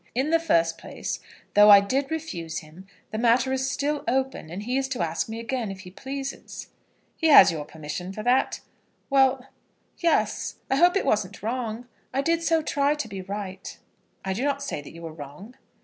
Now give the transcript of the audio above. In the first place, though I did refuse him, the matter is still open, and he is to ask me again, if he pleases." "He has your permission for that?" "Well, yes. I hope it wasn't wrong. I did so try to be right." "I do not say you were wrong."